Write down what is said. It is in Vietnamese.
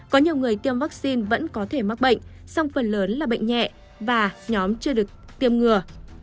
có nhiều người tiêm vaccine vẫn có thể mắc bệnh song phần lớn là bệnh nhẹ và nhóm chưa được tiêm ngừa